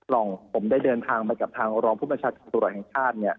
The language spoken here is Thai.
ล่องผมได้เดินทางมากับทางร้องอผู้บัญชาสุฤษฐ์แรกขาด